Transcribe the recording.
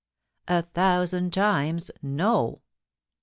A thousand times. No.